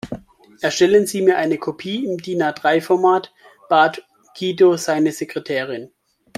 Erstellen Sie mir eine Kopie im DIN-A-drei Format, bat Guido seine Sekretärin.